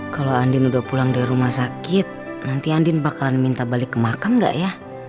kalau andin udah pulang dari rumah sakit nanti andin bakalan minta balik ke makam gak ya